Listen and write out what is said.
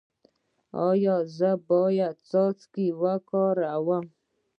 ایا زه باید څاڅکي وکاروم؟